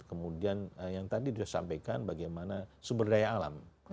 kemudian yang tadi sudah disampaikan bagaimana sumber daya alam